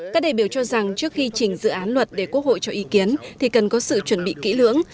các đại biểu cho rằng trước khi chỉnh dự án luật để quốc hội cho ý kiến thì cần có sự chuẩn bị kỹ lưỡng